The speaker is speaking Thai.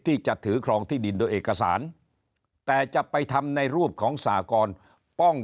ที่จะถือครองที่ดินโดยเอกสารแต่จะไปทำในรูปของสากรป้อง